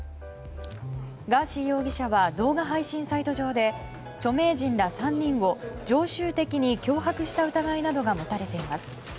ガーシー容疑者は動画配信サイト上で著名人ら３人を常習的に脅迫した疑いなどが持たれています。